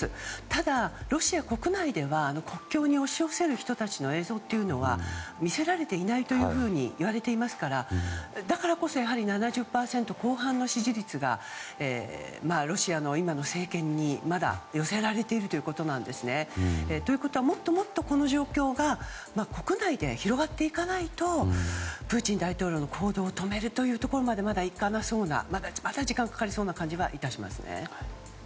ただ、ロシア国内では国境に押し寄せる人々の映像というのは見せられていないというふうにいわれていますからだからこそやはり７０％後半の支持率がロシアの今の政権にまだ寄せられているということなんですね。ということはもっともっとこの状況が国内で広がっていかないとプーチン大統領の行動を止めるというところまではまだいかなそうなまだ時間がかかりそうな気がいたしますね。